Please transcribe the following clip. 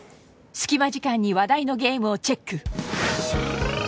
隙間時間に話題のゲームをチェック